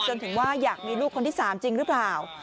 จนถึงว่าอยากมีลูกคนที่๓จริงหรือเปล่า